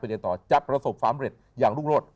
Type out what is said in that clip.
ไปเรียนต่อจับประสบฟ้ามเร็ดอย่างลุกรถ